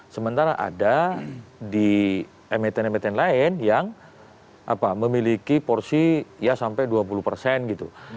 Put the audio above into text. sementara ada di emiten emiten lain yang memiliki porsi ya sampai dua puluh persen gitu